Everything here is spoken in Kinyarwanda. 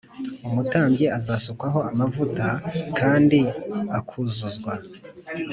Umutambyi uzasukwaho amavuta h kandi akuzuzwa